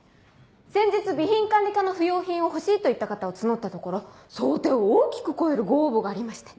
先日備品管理課の不要品を欲しいといった方を募ったところ想定を大きく超えるご応募がありまして。